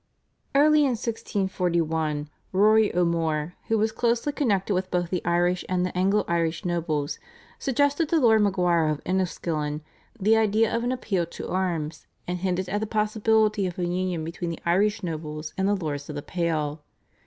Early in 1641 Rory O'More, who was closely connected with both the Irish and the Anglo Irish nobles, suggested to Lord Maguire of Enniskillen the idea of an appeal to arms, and hinted at the possibility of a union between the Irish nobles and the Lords of the Pale.